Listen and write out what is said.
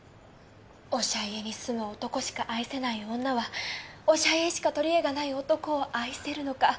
おしゃ家に住む男しか愛せない女はおしゃ家しかとりえがない男を愛せるのか？